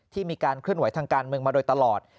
มีการเคลื่อนไหวทางการเมืองมาโดยตลอด